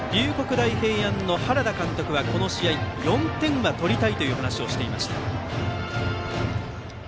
大平安の原田監督はこの試合４点は取りたいという話をしていました。